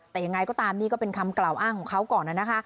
แต่ยังไงก็ตามนี่ก็เป็นคำกล่าวอ้างของเขาก่อนนะคะ